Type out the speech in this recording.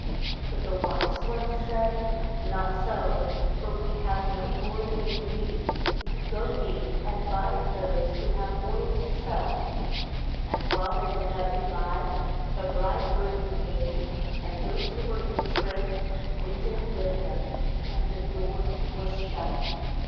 But the wise ones said, Not so; for we have no more than we need. Go ye and buy of those who have oil to sell. And while they went out to buy, the bride groom came, and those who were in trim went in with him, and the door was shut.